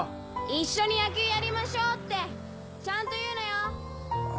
一緒に野球やりましょうってちゃんと言うのよ！